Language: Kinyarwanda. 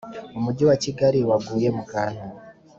umugi wa Kigali waguye mu kantu